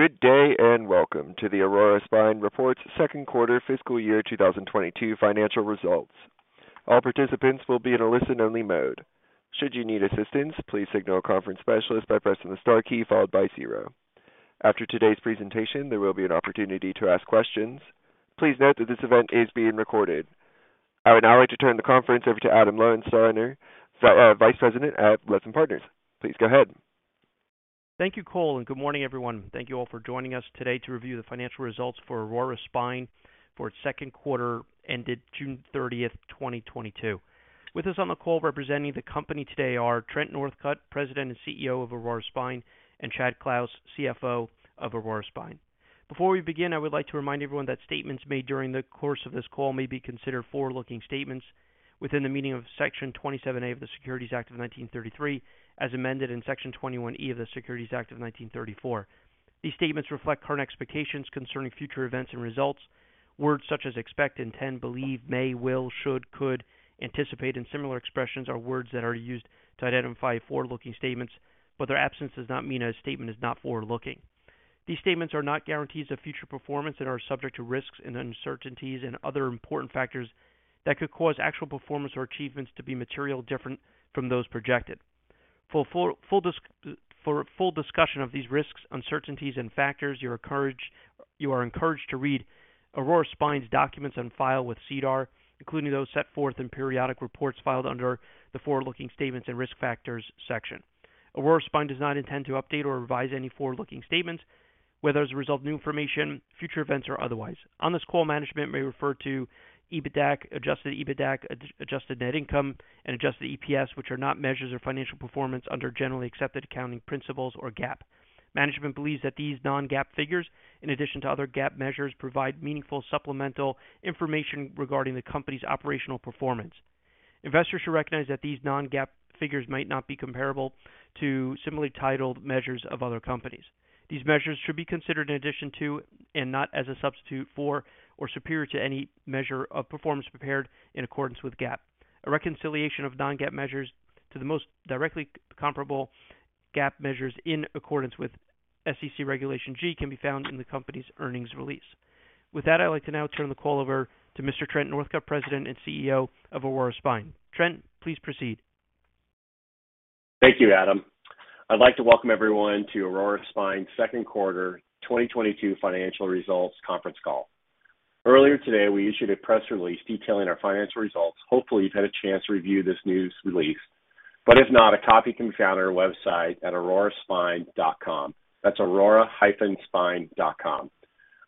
Good day, and welcome to the Aurora Spine reports second quarter fiscal year 2022 financial results. All participants will be in a listen-only mode. Should you need assistance, please signal a conference specialist by pressing the star key followed by zero. After today's presentation, there will be an opportunity to ask questions. Please note that this event is being recorded. I would now like to turn the conference over to Adam Lowensteiner, Vice President at Lytham Partners. Please go ahead. Thank you, Cole, and good morning, everyone. Thank you all for joining us today to review the financial results for Aurora Spine for its second quarter ended June 30th, 2022. With us on the call representing the company today are Trent Northcutt, President and CEO of Aurora Spine, and Chad Clouse, CFO of Aurora Spine. Before we begin, I would like to remind everyone that statements made during the course of this call may be considered forward-looking statements within the meaning of Section 27A of the Securities Act of 1933, as amended, and Section 21E of the Securities Exchange Act of 1934. These statements reflect current expectations concerning future events and results. Words such as expect, intend, believe, may, will, should, could, anticipate, and similar expressions are words that are used to identify forward-looking statements, but their absence does not mean a statement is not forward-looking. These statements are not guarantees of future performance and are subject to risks and uncertainties and other important factors that could cause actual performance or achievements to be materially different from those projected. For full discussion of these risks, uncertainties, and factors, you are encouraged to read Aurora Spine's documents on file with SEDAR, including those set forth in periodic reports filed under the Forward-Looking Statements and Risk Factors section. Aurora Spine does not intend to update or revise any forward-looking statements, whether as a result of new information, future events, or otherwise. On this call, management may refer to EBITDA, adjusted EBITDA, adjusted net income, and adjusted EPS, which are not measures of financial performance under generally accepted accounting principles or GAAP. Management believes that these non-GAAP figures, in addition to other GAAP measures, provide meaningful supplemental information regarding the company's operational performance. Investors should recognize that these non-GAAP figures might not be comparable to similarly titled measures of other companies. These measures should be considered in addition to and not as a substitute for or superior to any measure of performance prepared in accordance with GAAP. A reconciliation of non-GAAP measures to the most directly comparable GAAP measures in accordance with SEC Regulation G can be found in the company's earnings release. With that, I'd like to now turn the call over to Mr. Trent Northcutt, President and CEO of Aurora Spine. Trent, please proceed. Thank you, Adam. I'd like to welcome everyone to Aurora Spine's second quarter 2022 financial results conference call. Earlier today, we issued a press release detailing our financial results. Hopefully, you've had a chance to review this news release. If not, a copy can be found on our website at aurora-spine.com. That's aurora-spine.com.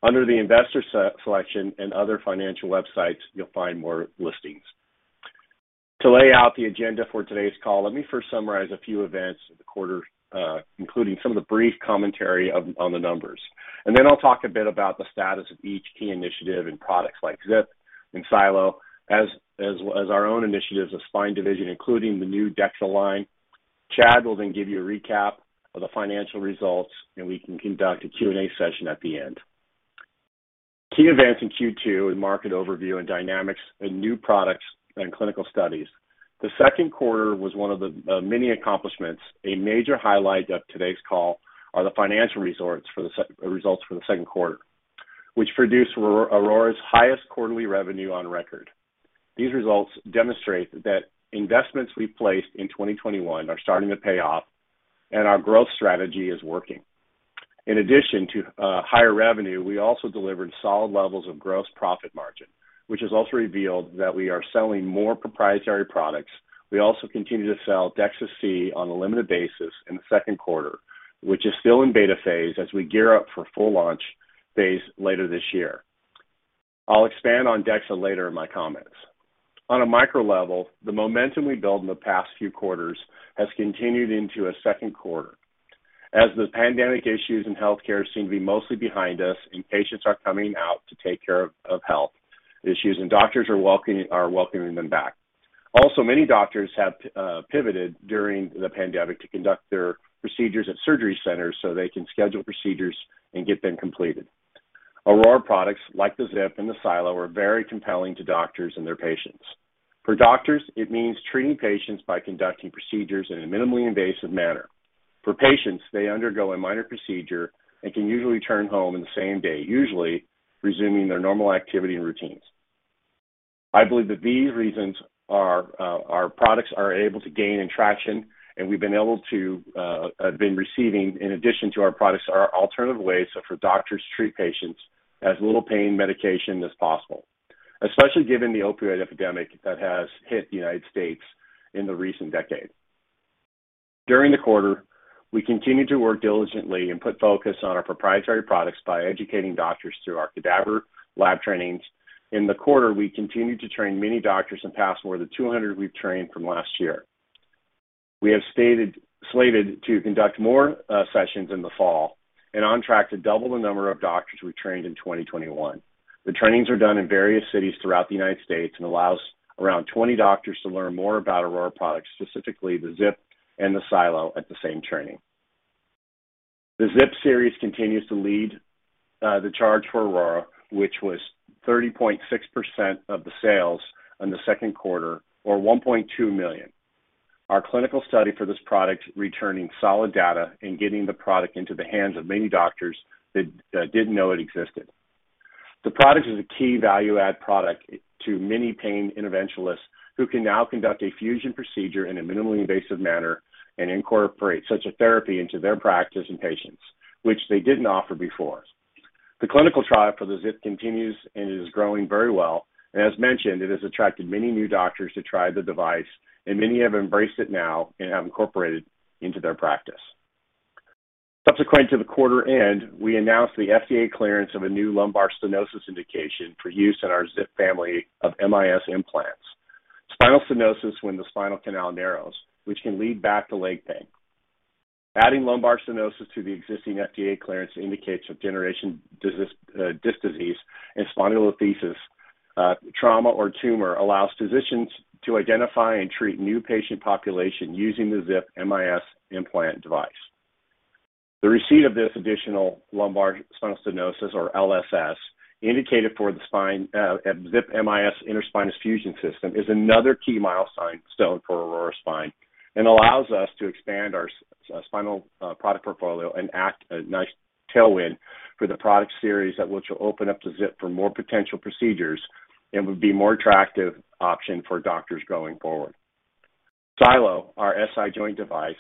Under the investor section and other financial websites, you'll find more listings. To lay out the agenda for today's call, let me first summarize a few events of the quarter, including some brief commentary on the numbers. I'll talk a bit about the status of each key initiative and products like ZIP and SiLO, as our own initiatives of spine division, including the new DEXA line. Chad will then give you a recap of the financial results, and we can conduct a Q&A session at the end. Key events in Q2 and market overview and dynamics in new products and clinical studies. The second quarter was one of the many accomplishments. A major highlight of today's call are the financial results for the second quarter, which produced Aurora's highest quarterly revenue on record. These results demonstrate that investments we placed in 2021 are starting to pay off and our growth strategy is working. In addition to higher revenue, we also delivered solid levels of gross profit margin, which has also revealed that we are selling more proprietary products. We also continue to sell DEXA-C on a limited basis in the second quarter, which is still in beta phase as we gear up for full launch phase later this year. I'll expand on DEXA later in my comments. On a micro level, the momentum we built in the past few quarters has continued into a second quarter. As the pandemic issues in healthcare seem to be mostly behind us and patients are coming out to take care of health issues and doctors are welcoming them back. Also many doctors have pivoted during the pandemic to conduct their procedures at surgery centers so they can schedule procedures and get them completed. Aurora products like the ZIP and the SiLO are very compelling to doctors and their patients. For doctors it means treating patients by conducting procedures in a minimally invasive manner. For patients, they undergo a minor procedure and can usually return home in the same day, usually resuming their normal activity and routines. I believe that these reasons are our products are able to gain traction, and we've been able to in addition to our products are alternative ways for doctors to treat patients as little pain medication as possible, especially given the opioid epidemic that has hit the United States in the recent decade. During the quarter, we continued to work diligently and put focus on our proprietary products by educating doctors through our cadaver lab trainings. In the quarter, we continued to train many doctors and surpass more than 200 we've trained from last year. We are slated to conduct more sessions in the fall and on track to double the number of doctors we trained in 2021. The trainings are done in various cities throughout the United States and allows around 20 doctors to learn more about Aurora products, specifically the ZIP and the SiLO at the same training. The ZIP series continues to lead the charge for Aurora, which was 30.6% of the sales in the second quarter or $1.2 million. Our clinical study for this product is returning solid data and getting the product into the hands of many doctors that didn't know it existed. The product is a key value-add product to many pain interventionalists who can now conduct a fusion procedure in a minimally invasive manner and incorporate such a therapy into their practice and patients, which they didn't offer before. The clinical trial for the ZIP continues, and it is growing very well. As mentioned, it has attracted many new doctors to try the device, and many have embraced it now and have incorporated it into their practice. Subsequent to the quarter end, we announced the FDA clearance of a new lumbar stenosis indication for use in our ZIP family of MIS implants. Spinal stenosis, when the spinal canal narrows, which can lead to back and leg pain. Adding lumbar stenosis to the existing FDA clearance indication for degenerative disc disease and spondylolisthesis, trauma or tumor allows physicians to identify and treat new patient population using the ZIP MIS implant device. The receipt of this additional indication for lumbar spinal stenosis, or LSS, for the ZIP MIS Interspinous Fusion System, is another key milestone for Aurora Spine and allows us to expand our spinal product portfolio and acts as a nice tailwind for the product series that which will open up the ZIP for more potential procedures and would be more attractive option for doctors going forward. SiLO, our SI joint device,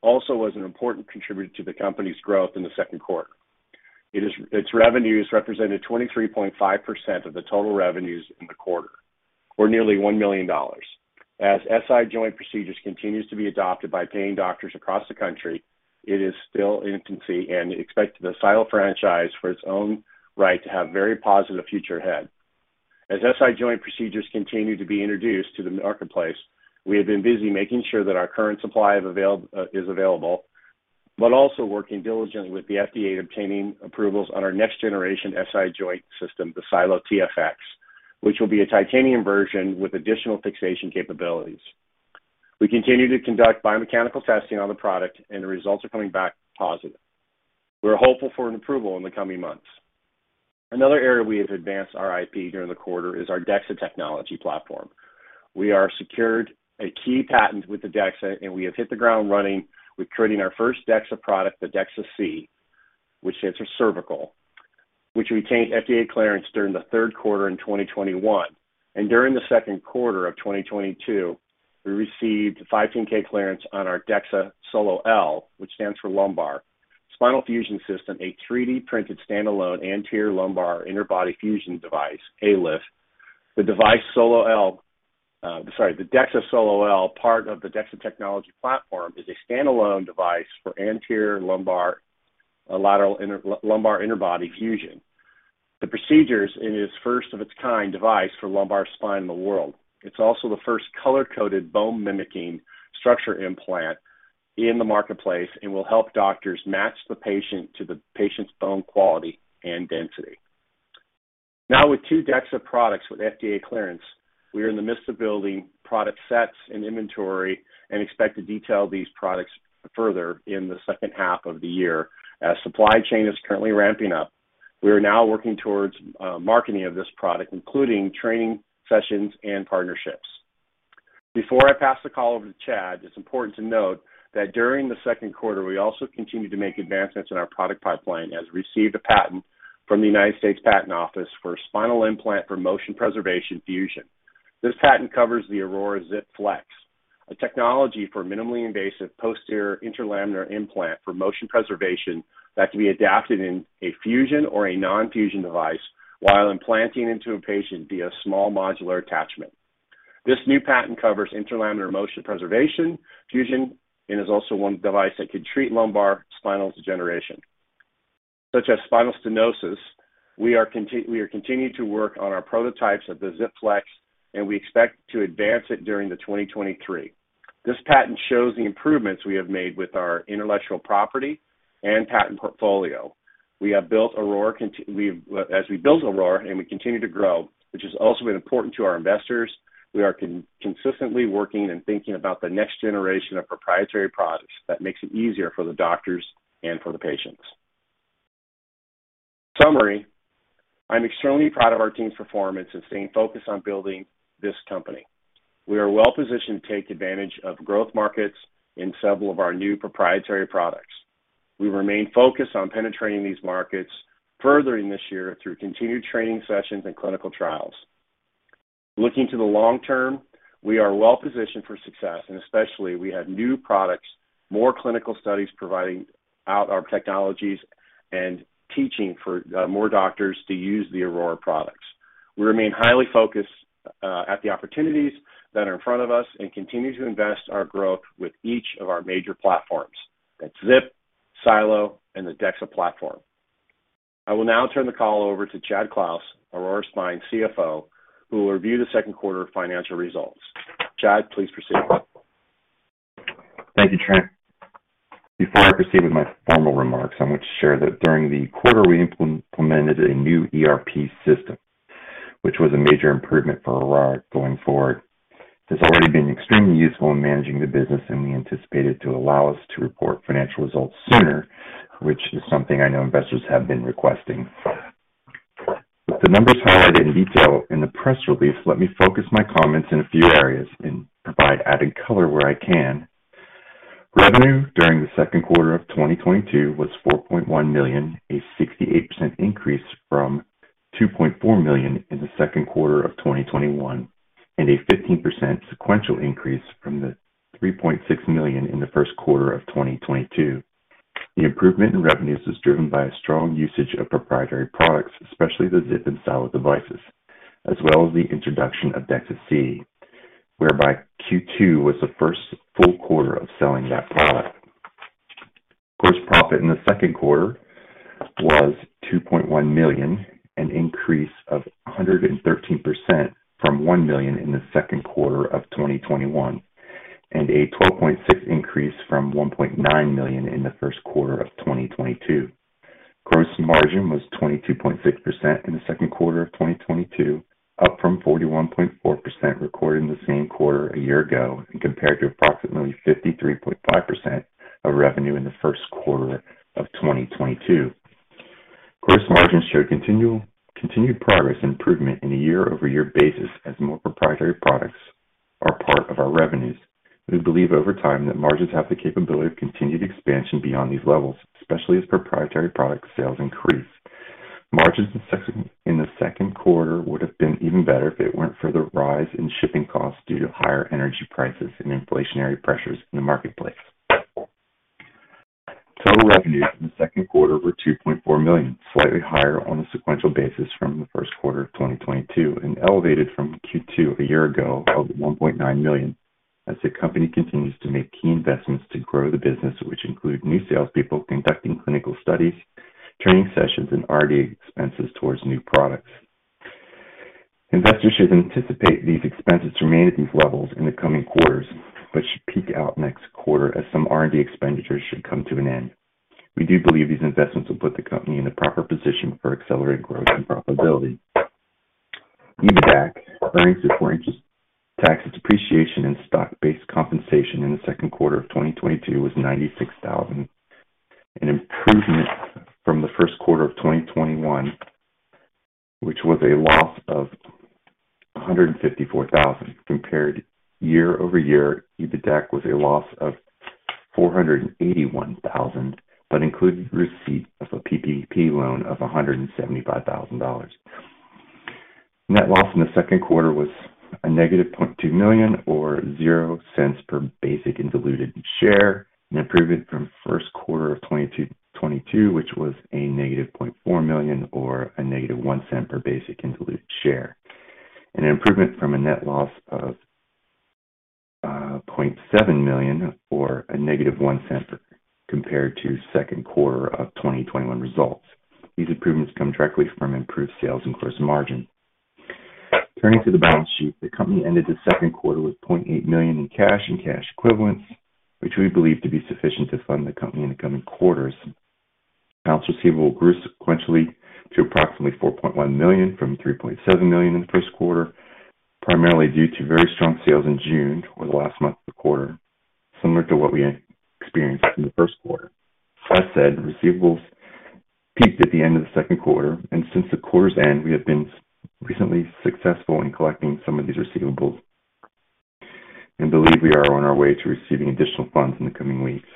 also was an important contributor to the company's growth in the second quarter. Its revenues represented 23.5% of the total revenues in the quarter or nearly $1 million. As SI joint procedures continues to be adopted by pain doctors across the country, it is still in its infancy and we expect the SiLO franchise in its own right to have very positive future ahead. As SI joint procedures continue to be introduced to the marketplace, we have been busy making sure that our current supply is available, but also working diligently with the FDA obtaining approvals on our next generation SI joint system, the SiLO TFX, which will be a titanium version with additional fixation capabilities. We continue to conduct biomechanical testing on the product, and the results are coming back positive. We're hopeful for an approval in the coming months. Another area we have advanced our IP during the quarter is our DEXA technology platform. We are secured a key patent with the DEXA, and we have hit the ground running with creating our first DEXA product, the DEXA-C, which stands for cervical, which we obtained FDA clearance during the third quarter in 2021. During the second quarter of 2022, we received 510(k) clearance on our DEXA SOLO-L, which stands for lumbar spinal fusion system, a 3D printed standalone anterior lumbar interbody fusion device, ALIF. The DEXA SOLO-L, part of the DEXA technology platform, is a standalone device for anterior lumbar interbody fusion. This is the first of its kind device for lumbar spine in the world. It's also the first color-coded bone mimicking structure implant in the marketplace and will help doctors match the patient to the patient's bone quality and density. Now with two DEXA products with FDA clearance, we are in the midst of building product sets and inventory and expect to detail these products further in the second half of the year. As supply chain is currently ramping up, we are now working towards marketing of this product, including training sessions and partnerships. Before I pass the call over to Chad, it's important to note that during the second quarter, we also continued to make advancements in our product pipeline as we received a patent from the United States Patent Office for a spinal implant for motion preservation fusion. This patent covers the Aurora ZIPFlex, a technology for minimally invasive posterior interlaminar implant for motion preservation that can be adapted in a fusion or a non-fusion device while implanting into a patient via a small modular attachment. This new patent covers interlaminar motion preservation, fusion, and is also one device that could treat lumbar spinal degeneration. Such as spinal stenosis, we are continuing to work on our prototypes of the ZIPFlex, and we expect to advance it during 2023. This patent shows the improvements we have made with our intellectual property and patent portfolio. We have built Aurora, as we build Aurora and we continue to grow, which has also been important to our investors, we are consistently working and thinking about the next generation of proprietary products that makes it easier for the doctors and for the patients. Summary, I'm extremely proud of our team's performance and staying focused on building this company. We are well-positioned to take advantage of growth markets in several of our new proprietary products. We remain focused on penetrating these markets, furthering this year through continued training sessions and clinical trials. Looking to the long term, we are well-positioned for success, and especially we have new products, more clinical studies proving out our technologies, and reaching more doctors to use the Aurora products. We remain highly focused at the opportunities that are in front of us and continue to invest our growth with each of our major platforms. That's ZIP, SiLO, and the DEXA platform. I will now turn the call over to Chad Clouse, Aurora Spine CFO, who will review the second quarter financial results. Chad, please proceed. Thank you, Trent. Before I proceed with my formal remarks, I want to share that during the quarter, we implemented a new ERP system, which was a major improvement for Aurora going forward. It's already been extremely useful in managing the business, and we anticipate it to allow us to report financial results sooner, which is something I know investors have been requesting. The numbers highlighted in detail in the press release let me focus my comments in a few areas and provide added color where I can. Revenue during the second quarter of 2022 was $4.1 million, a 68% increase from $2.4 million in the second quarter of 2021, and a 15% sequential increase from the $3.6 million in the first quarter of 2022. The improvement in revenues was driven by a strong usage of proprietary products, especially the ZIP and SiLO devices, as well as the introduction of DEXA-C, whereby Q2 was the first full quarter of selling that product. Gross profit in the second quarter was $2.1 million, an increase of 113% from $1 million in the second quarter of 2021, and a 12.6% increase from $1.9 million in the first quarter of 2022. Gross margin was 22.6% in the second quarter of 2022, up from 41.4% recorded in the same quarter a year ago and compared to approximately 53.5% of revenue in the first quarter of 2022. Gross margins showed continued progress and improvement on a year-over-year basis as more proprietary products are part of our revenues. We believe over time that margins have the capability of continued expansion beyond these levels, especially as proprietary product sales increase. Margins in the second quarter would have been even better if it weren't for the rise in shipping costs due to higher energy prices and inflationary pressures in the marketplace. Total revenues in the second quarter were $2.4 million, slightly higher on a sequential basis from the first quarter of 2022 and elevated from Q2 a year ago of $1.9 million as the company continues to make key investments to grow the business, which include new salespeople conducting clinical studies, training sessions, and R&D expenses towards new products. Investors should anticipate these expenses to remain at these levels in the coming quarters, but should peak out next quarter as some R&D expenditures should come to an end. We do believe these investments will put the company in the proper position for accelerated growth and profitability. EBITDA, earnings before interest, taxes, depreciation, and stock-based compensation in the second quarter of 2022 was $96,000, an improvement from the first quarter of 2021, which was a loss of $154,000. Compared year-over-year, EBITDA was a loss of $481,000, but included receipt of a PPP loan of $175,000. Net loss in the second quarter was -$0.2 million or $0.00 per basic and diluted share, an improvement from first quarter of 2022, which was -$0.4 million or -$0.01 per basic and diluted share. An improvement from a net loss of $0.7 million or a negative 1 cent compared to second quarter of 2021 results. These improvements come directly from improved sales and gross margin. Turning to the balance sheet, the company ended the second quarter with $0.8 million in cash and cash equivalents, which we believe to be sufficient to fund the company in the coming quarters. Accounts receivable grew sequentially to approximately $4.1 million from $3.7 million in the first quarter, primarily due to very strong sales in June or the last month of the quarter, similar to what we experienced in the first quarter. That said, receivables peaked at the end of the second quarter and since the quarter's end, we have been recently successful in collecting some of these receivables and believe we are on our way to receiving additional funds in the coming weeks.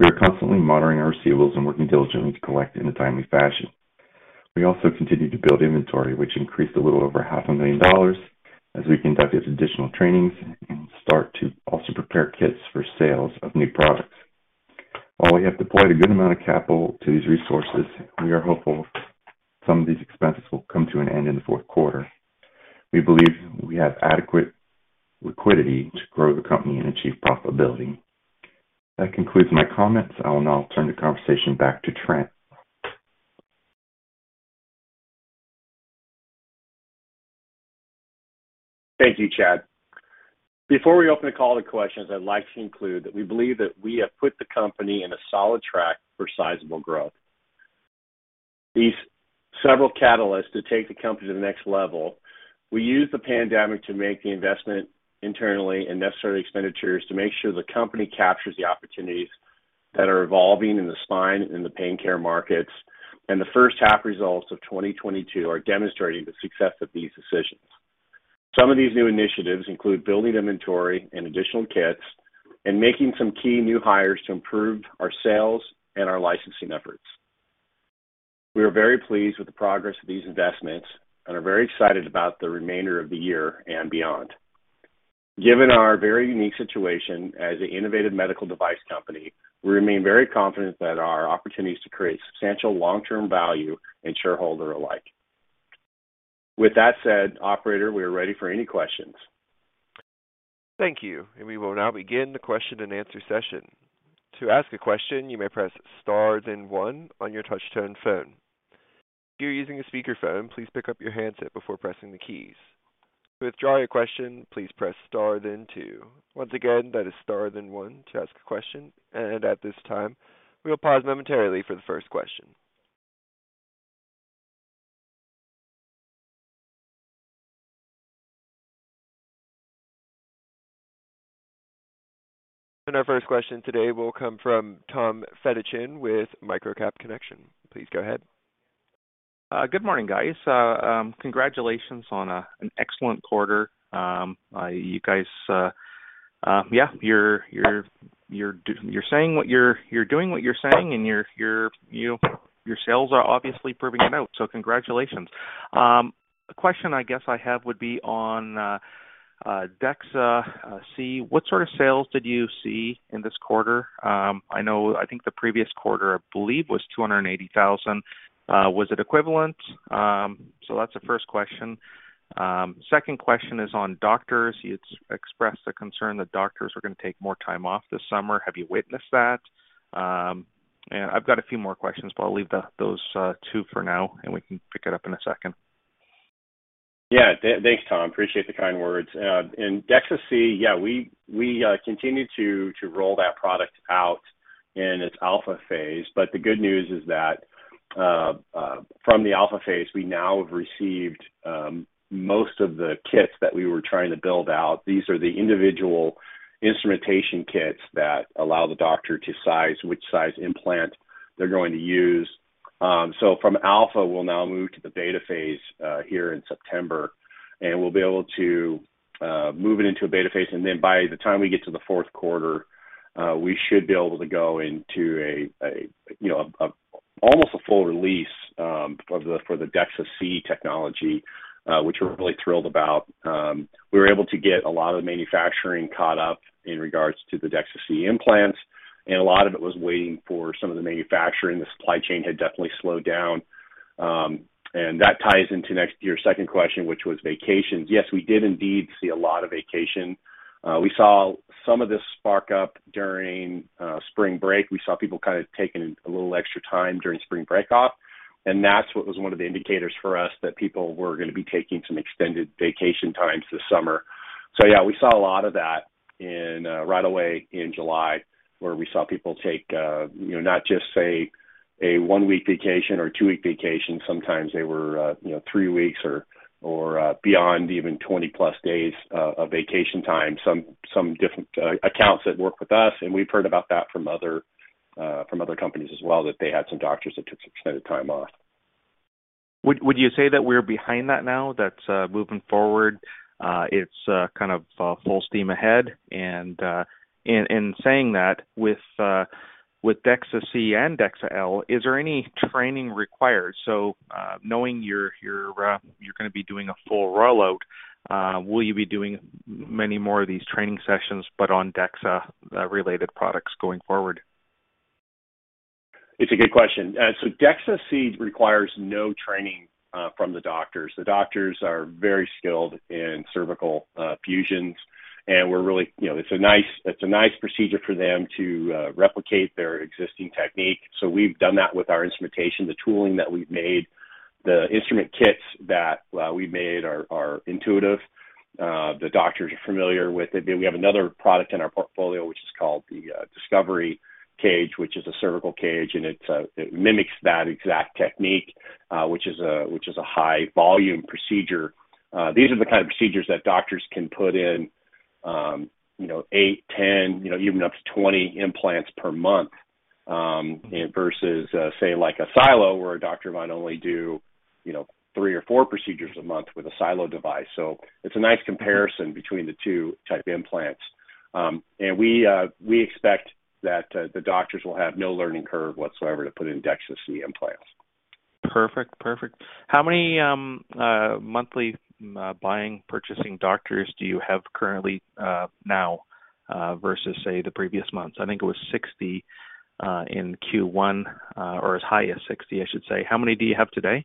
We are constantly monitoring our receivables and working diligently to collect in a timely fashion. We also continue to build inventory, which increased a little over half a million dollars as we conducted additional trainings and start to also prepare kits for sales of new products. While we have deployed a good amount of capital to these resources, we are hopeful some of these expenses will come to an end in the fourth quarter. We believe we have adequate liquidity to grow the company and achieve profitability. That concludes my comments. I will now turn the conversation back to Trent. Thank you, Chad. Before we open the call to questions, I'd like to include that we believe that we have put the company in a solid track for sizable growth. These several catalysts to take the company to the next level. We used the pandemic to make the investment internally and necessary expenditures to make sure the company captures the opportunities that are evolving in the spine and the pain care markets and the first half results of 2022 are demonstrating the success of these decisions. Some of these new initiatives include building inventory and additional kits and making some key new hires to improve our sales and our licensing efforts. We are very pleased with the progress of these investments and are very excited about the remainder of the year and beyond. Given our very unique situation as an innovative medical device company, we remain very confident that our opportunities to create substantial long-term value for shareholders alike. With that said, operator, we are ready for any questions. Thank you. We will now begin the Q&A session. To ask a question, you may press star then one on your touch-tone phone. If you're using a speakerphone, please pick up your handset before pressing the keys. To withdraw your question, please press star then two. Once again, that is star then one to ask a question. At this time, we'll pause momentarily for the first question. Our first question today will come from Tom Fedichin with Microcap Connection. Please go ahead. Good morning, guys. Congratulations on an excellent quarter. You guys, yeah, you're doing what you're saying, and your sales are obviously proving it out, so congratulations. The question I guess I have would be on DEXA-C. What sort of sales did you see in this quarter? I know I think the previous quarter, I believe, was $280,000. Was it equivalent? That's the first question. Second question is on doctors. You expressed a concern that doctors were gonna take more time off this summer. Have you witnessed that? I've got a few more questions, but I'll leave those two for now, and we can pick it up in a second. Thanks, Tom. Appreciate the kind words. In DEXA-C, we continue to roll that product out in its alpha phase. But the good news is that from the alpha phase, we now have received most of the kits that we were trying to build out. These are the individual instrumentation kits that allow the doctor to size which size implant they're going to use. So from alpha, we'll now move to the beta phase here in September, and we'll be able to move it into a beta phase, and then by the time we get to the fourth quarter, we should be able to go into almost a full release for the DEXA-C technology, which we're really thrilled about. We were able to get a lot of the manufacturing caught up in regards to the DEXA-C implants, and a lot of it was waiting for some of the manufacturing. The supply chain had definitely slowed down, and that ties into your second question, which was vacations. Yes, we did indeed see a lot of vacation. We saw some of this spark up during spring break. We saw people kind of taking a little extra time during spring break off, and that's what was one of the indicators for us that people were gonna be taking some extended vacation times this summer. Yeah, we saw a lot of that in right away in July, where we saw people take, you know, not just say a one-week vacation or two-week vacation. Sometimes they were, you know, three weeks or beyond even 20+ days of vacation time. Some different accounts that work with us, and we've heard about that from other companies as well, that they had some doctors that took some extended time off. Would you say that we're behind that now? That's moving forward, it's kind of full steam ahead and in saying that with DEXA-C and DEXA-L, is there any training required? Knowing you're gonna be doing a full rollout, will you be doing many more of these training sessions but on DEXA-related products going forward? It's a good question. DEXA-C requires no training from the doctors. The doctors are very skilled in cervical fusions, and we're really, you know, it's a nice procedure for them to replicate their existing technique. We've done that with our instrumentation. The tooling that we've made, the instrument kits that we've made are intuitive. The doctors are familiar with it. We have another product in our portfolio, which is called the Discovery Cage, which is a cervical cage, and it mimics that exact technique, which is a high volume procedure. These are the kind of procedures that doctors can put in, you know, eight, 10, you know, even up to 20 implants per month, versus, say like a SiLO, where a doctor might only do, you know, three or four procedures a month with a SiLO device. It's a nice comparison between the two type implants. We expect that the doctors will have no learning curve whatsoever to put in DEXA-C implants. Perfect. How many monthly buying purchasing doctors do you have currently, now, versus, say, the previous months? I think it was 60 in Q1 or as high as 60, I should say. How many do you have today?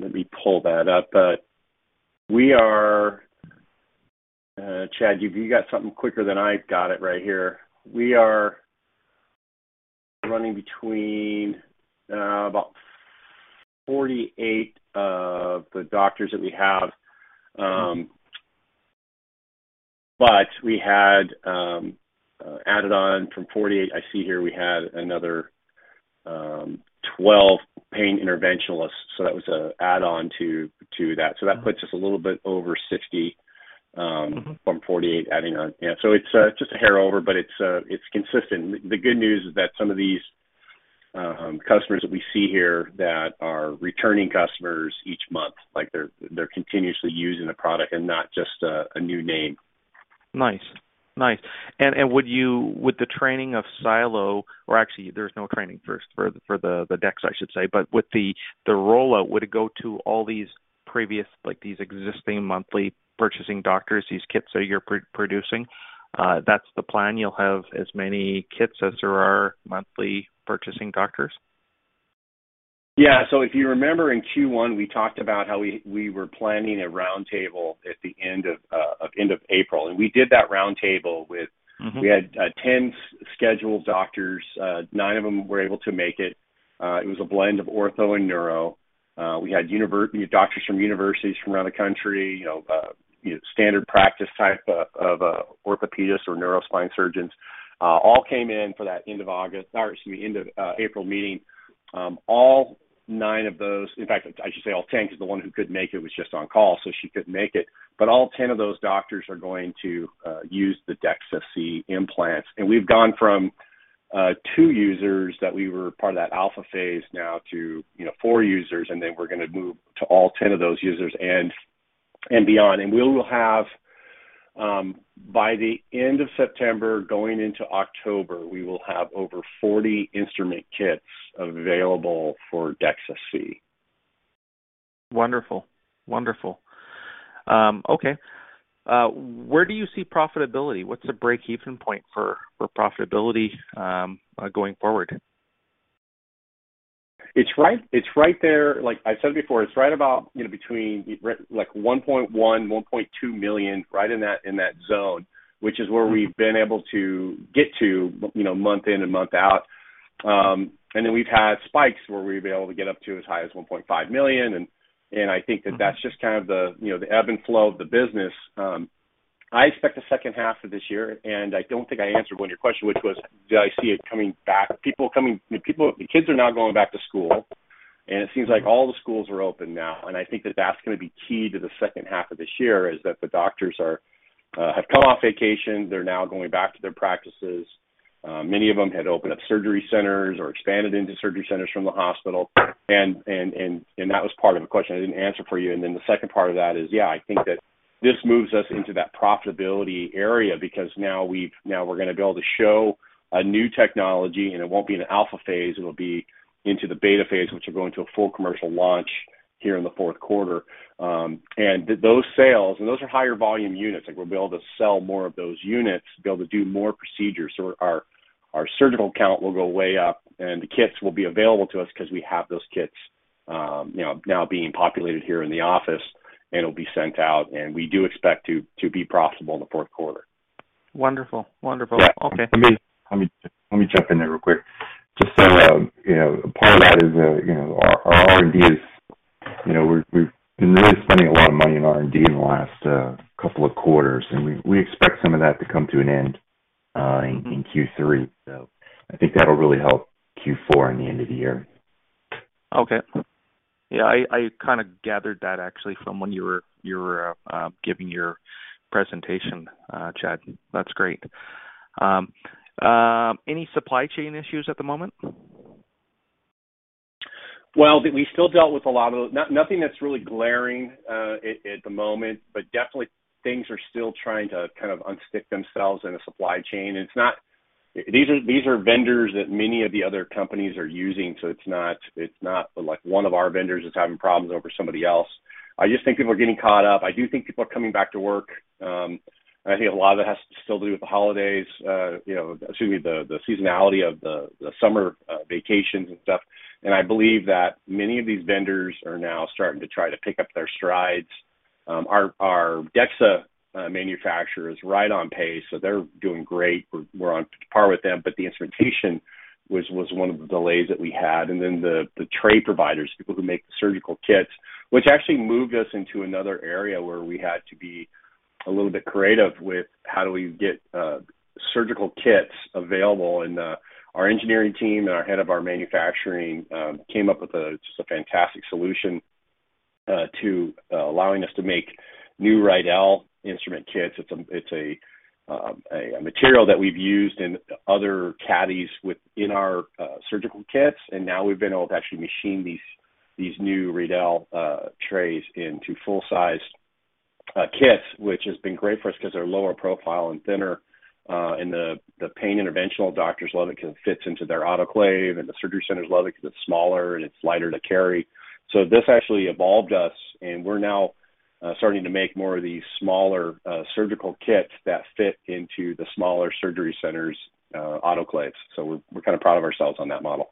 Let me pull that up. Chad, you've got something quicker than I've got it right here. We are running between about 48 of the doctors that we have. But we had added on from 48. I see here we had another 12 pain interventionalists. That was an add-on to that. That puts us a little bit over 60 from 48 adding on. Yeah, it's just a hair over, but it's consistent. The good news is that some of these customers that we see here that are returning customers each month, like they're continuously using the product and not just a new name. Nice. With the training of SiLO or actually there's no training first for the DEXA, I should say, but with the rollout, would it go to all these previous, like these existing monthly purchasing doctors, these kits that you're pre-producing? That's the plan. You'll have as many kits as there are monthly purchasing doctors. Yeah. If you remember in Q1, we talked about how we were planning a roundtable at the end of April. We did that roundtable with We had 10 scheduled doctors. Nine of them were able to make it. It was a blend of ortho and neuro. We had doctors from universities from around the country, you know, standard practice type of orthopedist or neuro spine surgeons. All came in for that end of August or excuse me, end of April meeting. All nine of those. In fact, I should say all 10 because the one who couldn't make it was just on call, so she couldn't make it. All 10 of those doctors are going to use the DEXA-C implants. We've gone from two users that we were part of that alpha phase now to, you know, four users, and then we're gonna move to all 10 of those users and beyond. We will have by the end of September going into October, we will have over 40 instrument kits available for DEXA-C. Wonderful. Okay. Where do you see profitability? What's the breakeven point for profitability, going forward? It's right there. Like I said before, it's right about, you know, between like $1.1 million-$1.2 million, right in that zone, which is where we've been able to get to, you know, month in and month out. We've had spikes where we've been able to get up to as high as $1.5 million, and I think that's just kind of the, you know, the ebb and flow of the business. I expect the second half of this year, and I don't think I answered one of your question, which was do I see it coming back? You know, people, kids are now going back to school, and it seems like all the schools are open now. I think that that's gonna be key to the second half of this year, is that the doctors are have come off vacation. They're now going back to their practices. Many of them had opened up surgery centers or expanded into surgery centers from the hospital. That was part of the question I didn't answer for you. Then the second part of that is, yeah, I think that this moves us into that profitability area because now we're gonna be able to show a new technology, and it won't be in the alpha phase. It'll be into the beta phase, which will go into a full commercial launch here in the fourth quarter. And those sales are higher volume units, like we'll be able to sell more of those units, be able to do more procedures. Our surgical count will go way up, and the kits will be available to us 'cause we have those kits, you know, now being populated here in the office and will be sent out. We do expect to be profitable in the fourth quarter. Wonderful. Wonderful. Yeah. Okay. Let me jump in there real quick. Just so you know, part of that is you know, our R&D is you know, we've been really spending a lot of money in R&D in the last couple of quarters, and we expect some of that to come to an end in Q3. I think that'll really help Q4 in the end of the year. Okay. Yeah, I kinda gathered that actually from when you were giving your presentation, Chad. That's great. Any supply chain issues at the moment? Well, we still dealt with a lot of nothing that's really glaring at the moment, but definitely things are still trying to kind of unstick themselves in the supply chain. It's not. These are vendors that many of the other companies are using, so it's not like one of our vendors is having problems over somebody else. I just think people are getting caught up. I do think people are coming back to work. I think a lot of it has to still do with the holidays, you know, excuse me, the seasonality of the summer vacations and stuff. I believe that many of these vendors are now starting to try to pick up their strides. Our DEXA manufacturer is right on pace, so they're doing great. We're on par with them. The instrumentation was one of the delays that we had. The tray providers, people who make the surgical kits, which actually moved us into another area where we had to be a little bit creative with how do we get surgical kits available. Our engineering team and our head of our manufacturing came up with just a fantastic solution to allowing us to make new Radel instrument kits. It's a material that we've used in other caddies within our surgical kits, and now we've been able to actually machine these new Radel trays into full-sized kits, which has been great for us 'cause they're lower profile and thinner. The pain interventional doctors love it 'cause it fits into their autoclave, and the surgery centers love it 'cause it's smaller and it's lighter to carry. This actually evolved us, and we're now starting to make more of these smaller surgical kits that fit into the smaller surgery centers' autoclaves. We're kind of proud of ourselves on that model.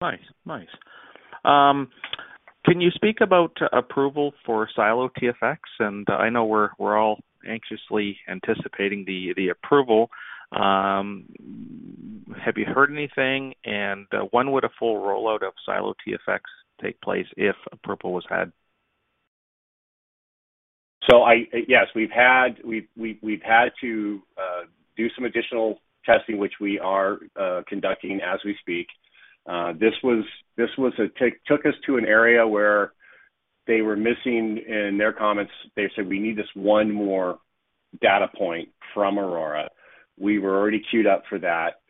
Nice. Can you speak about approval for SiLO TFX? I know we're all anxiously anticipating the approval. Have you heard anything? When would a full rollout of SiLO TFX take place if approval was had? Yes, we've had to do some additional testing, which we are conducting as we speak. This took us to an area where they were missing in their comments. They said, "We need this one more data point from Aurora." We were already queued up for that,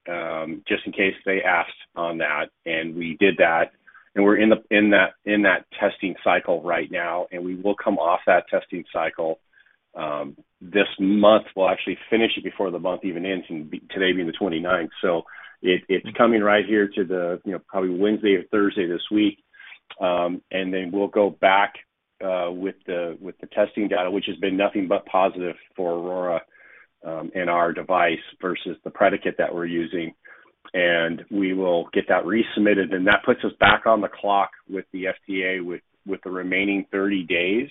just in case they asked on that, and we did that, and we're in that testing cycle right now. We will come off that testing cycle this month. We'll actually finish it before the month even ends, today being the 29th. It's coming right here to the, you know, probably Wednesday or Thursday this week. Then we'll go back with the testing data, which has been nothing but positive for Aurora, and our device versus the predicate that we're using. We will get that resubmitted, and that puts us back on the clock with the FDA with the remaining 30 days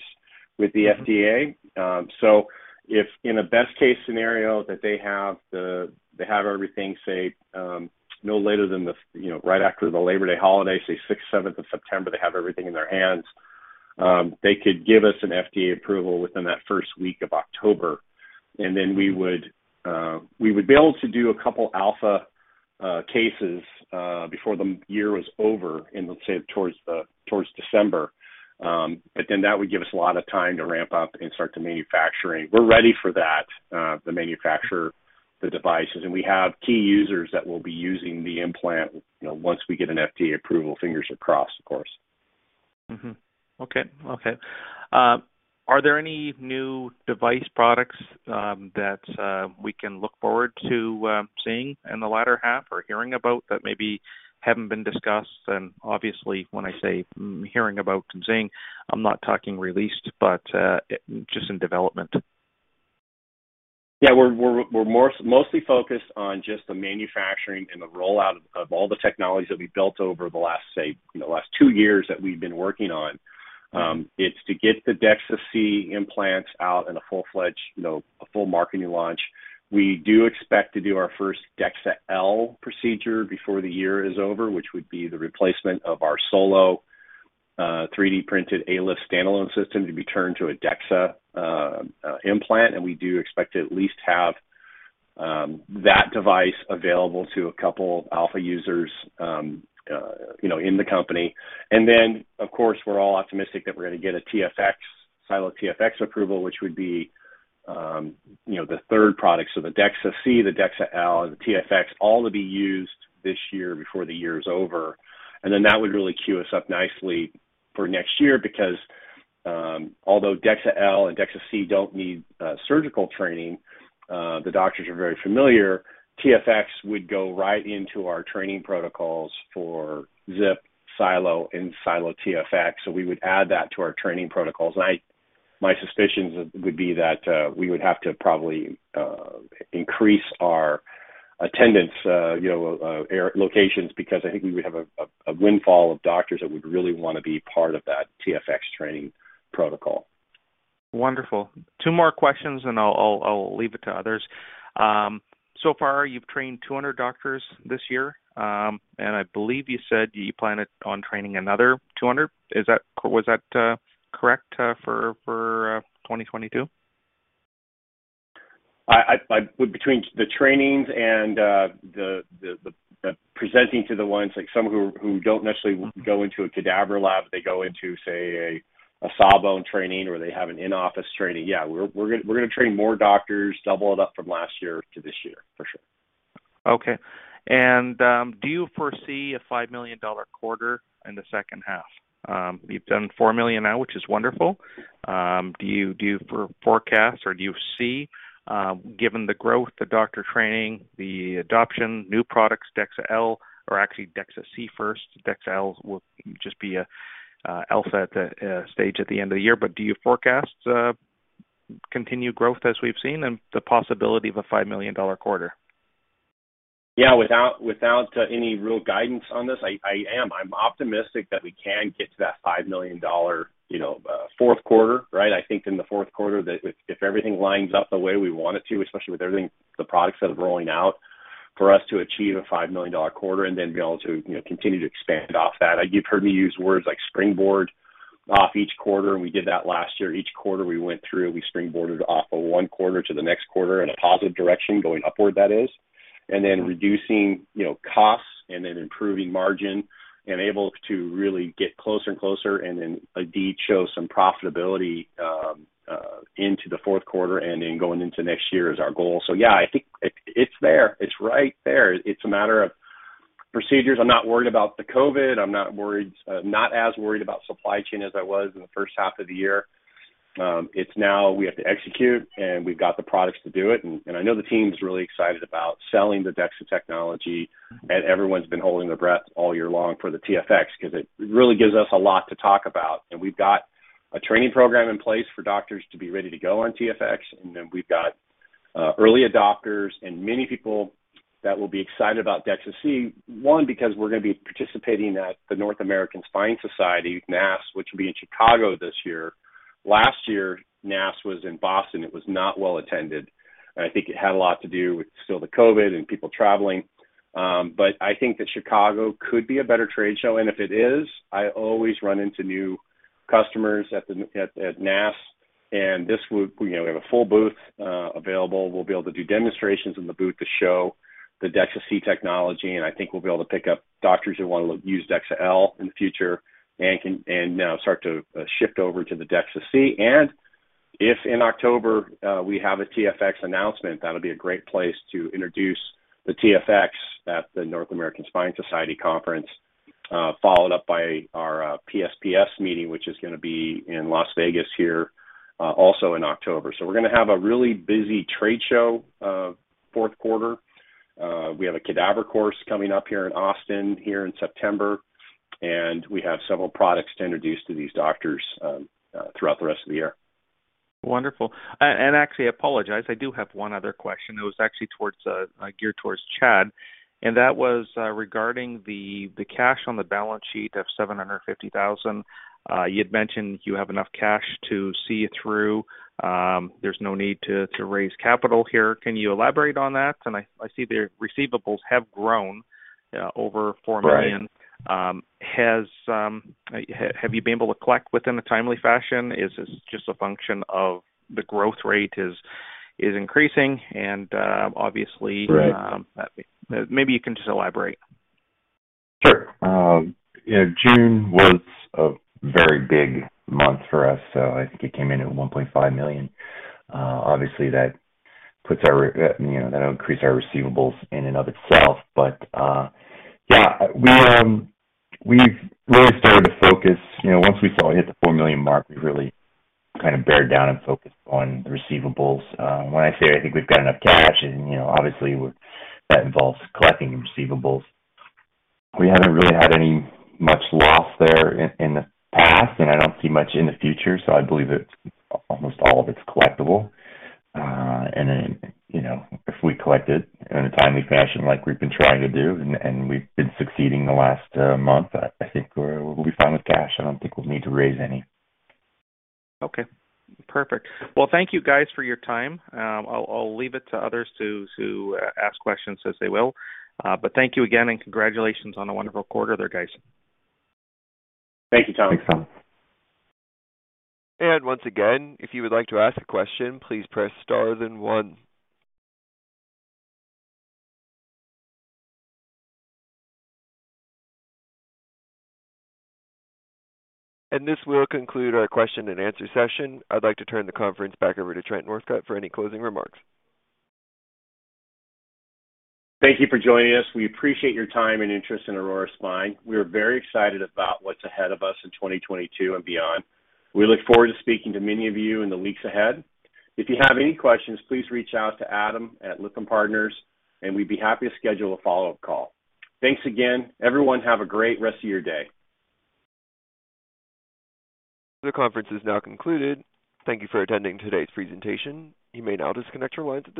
with the FDA. So, if in a best-case scenario that they have everything, say, no later than right after the Labor Day holiday, say 6th, 7th of September, they have everything in their hands. They could give us an FDA approval within that first week of October, and then we would be able to do a couple alpha cases before the year was over in, let's say, towards December. That would give us a lot of time to ramp up and start the manufacturing. We're ready for that, to manufacture the devices. We have key users that will be using the implant, you know, once we get an FDA approval. Fingers are crossed, of course. Okay. Okay. Are there any new device products that we can look forward to seeing in the latter half or hearing about that maybe haven't been discussed? Obviously, when I say hearing about and seeing, I'm not talking released, but just in development. Yeah. We're mostly focused on just the manufacturing and the rollout of all the technologies that we built over the last two years that we've been working on. It's to get the DEXA-C implants out in a full-fledged, you know, a full marketing launch. We do expect to do our first DEXA-L procedure before the year is over, which would be the replacement of our SOLO-L 3D printed ALIF standalone system to be turned to a DEXA implant. We do expect to at least have that device available to a couple of alpha users, you know, in the company. Then, of course, we're all optimistic that we're gonna get a SiLO TFX approval, which would be, you know, the third product. The DEXA-C, the DEXA-L, and the SiLO TFX all to be used this year before the year is over. Then that would really cue us up nicely for next year because although DEXA-L and DEXA-C don't need surgical training, the doctors are very familiar. SiLO TFX would go right into our training protocols for ZIP, SiLO, and SiLO TFX. We would add that to our training protocols. My suspicions would be that we would have to probably increase our attendance, you know, our locations, because I think we would have a windfall of doctors that would really wanna be part of that SiLO TFX training protocol. Wonderful. Two more questions, and I'll leave it to others. So far, you've trained 200 doctors this year, and I believe you said you planned on training another 200. Was that correct for 2022? Between the trainings and the presenting to the ones, like some who don't necessarily go into a cadaver lab, they go into, say, a sawbone training or they have an in-office training. Yeah. We're gonna train more doctors, double it up from last year to this year, for sure. Okay. Do you foresee a $5 million quarter in the second half? You've done $4 million now, which is wonderful. Do you forecast or do you see, given the growth, the doctor training, the adoption, new products, DEXA-L or actually DEXA-C first, DEXA-L will just be an alpha at the stage at the end of the year. Do you forecast continued growth as we've seen and the possibility of a $5 million quarter? Yeah. Without any real guidance on this, I'm optimistic that we can get to that $5 million, you know, fourth quarter, right? I think in the fourth quarter that if everything lines up the way we want it to, especially with everything, the products that are rolling out, for us to achieve a $5 million quarter and then be able to, you know, continue to expand off that. You've heard me use words like springboard off each quarter, and we did that last year. Each quarter we went through, we springboarded off of one quarter to the next quarter in a positive direction, going upward that is. Reducing, you know, costs and then improving margin and able to really get closer and closer, and then indeed show some profitability into the fourth quarter and then going into next year is our goal. Yeah, I think it's there. It's right there. It's a matter of procedures. I'm not worried about the COVID. I'm not worried, not as worried about supply chain as I was in the first half of the year. It's now we have to execute, and we've got the products to do it. I know the team's really excited about selling the DEXA technology, and everyone's been holding their breath all year long for the TFX 'cause it really gives us a lot to talk about. We've got a training program in place for doctors to be ready to go on TFX. We've got early adopters and many people that will be excited about DEXA-C, one, because we're gonna be participating at the North American Spine Society, NASS, which will be in Chicago this year. Last year, NASS was in Boston. It was not well attended, and I think it had a lot to do with still the COVID and people traveling. I think that Chicago could be a better trade show. If it is, I always run into new customers at NASS, and this would, you know, we have a full booth available. We'll be able to do demonstrations in the booth to show the DEXA-C technology, and I think we'll be able to pick up doctors who wanna use DEXA-L in the future and now start to shift over to the DEXA-C. If in October, we have a TFX announcement, that'll be a great place to introduce the TFX at the North American Spine Society conference, followed up by our PSPS meeting, which is gonna be in Las Vegas here, also in October. We're gonna have a really busy trade show, fourth quarter. We have a cadaver course coming up here in Austin here in September, and we have several products to introduce to these doctors, throughout the rest of the year. Wonderful. Actually, I apologize, I do have one other question. It was actually geared towards Chad, and that was regarding the cash on the balance sheet of $750,000. You'd mentioned you have enough cash to see it through. There's no need to raise capital here. Can you elaborate on that? I see the receivables have grown over $4 million. Right. Have you been able to collect within a timely fashion? Is this just a function of the growth rate? Is increasing and, obviously- Right Maybe you can just elaborate. Sure. You know, June was a very big month for us. I think it came in at $1.5 million. Obviously, that puts our, you know, that'll increase our receivables in and of itself. Yeah, we've really started to focus, you know, once we hit the $4 million mark, we really kind of bear down and focus on the receivables. When I say I think we've got enough cash and, you know, obviously that involves collecting receivables. We haven't really had any much loss there in the past, and I don't see much in the future, so I believe it's almost all of its collectible. You know, if we collect it in a timely fashion like we've been trying to do and we've been succeeding the last month, I think we'll be fine with cash. I don't think we'll need to raise any. Okay. Perfect. Well, thank you guys for your time. I'll leave it to others to ask questions as they will. But thank you again, and congratulations on a wonderful quarter there, guys. Thank you, Tom. Thanks, Tom. Once again, if you would like to ask a question, please press star then one. This will conclude our Q&A session. I'd like to turn the conference back over to Trent Northcutt for any closing remarks. Thank you for joining us. We appreciate your time and interest in Aurora Spine. We are very excited about what's ahead of us in 2022 and beyond. We look forward to speaking to many of you in the weeks ahead. If you have any questions, please reach out to Adam at Lytham Partners, and we'd be happy to schedule a follow-up call. Thanks again. Everyone have a great rest of your day. The conference is now concluded. Thank you for attending today's presentation. You may now disconnect your lines at this time.